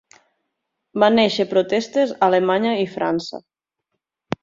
Van néixer protestes a Alemanya i França.